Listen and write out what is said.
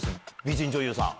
美人女優さん。